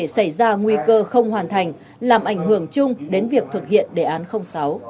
xảy ra nguy cơ không hoàn thành làm ảnh hưởng chung đến việc thực hiện đề án sáu